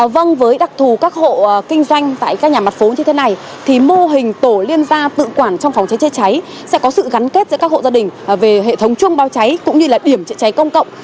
vâng với đặc thù các hộ kinh doanh tại các nhà mặt phố như thế này thì mô hình tổ liên gia tự quản trong phòng cháy chữa cháy sẽ có sự gắn kết giữa các hộ gia đình về hệ thống chuông báo cháy cũng như là điểm chữa cháy công cộng